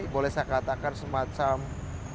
boleh saya katakan semacam